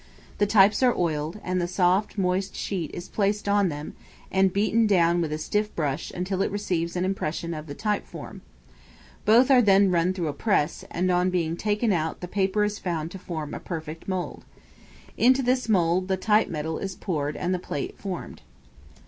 The types are oiled, and the soft, moist sheet is placed on them and beaten down with a stiff brush until it receives an impression of the type form. Both are then run through a press, and on being taken out the paper is found to form a perfect mould. Into this mould the type metal is poured and the plate formed.